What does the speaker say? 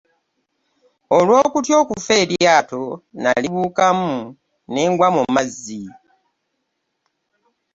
Olw’okutya okufa, eryato nalibuukamu ne ngwa mu mazzi.